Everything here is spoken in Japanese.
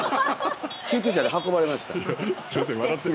救急車で運ばれました。